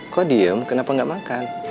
kok diem kenapa nggak makan